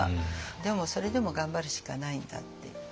でもそれでも頑張るしかないんだっていう。